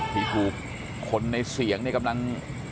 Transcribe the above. ที่ถูกคนในเสียงนี่กำลัง